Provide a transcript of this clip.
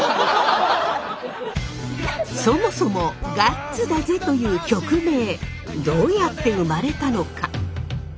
そもそも「ガッツだぜ！！」という曲名どうやって生まれたのか？